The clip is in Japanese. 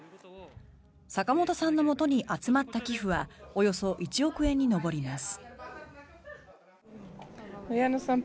坂本さんのもとに集まった寄付はおよそ１億円に上ります。